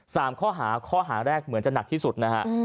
สามข้อหาข้อหาแรกเหมือนจะหนักที่สุดนะฮะอืม